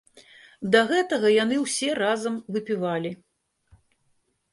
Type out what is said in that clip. Да гэтага яны ўсе разам выпівалі.